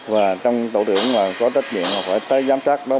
và trong tổ trưởng có trách nhiệm phải tới giám sát đó